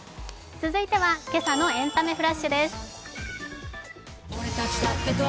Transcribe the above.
続いては今朝の「エンタメフラッシュ」です。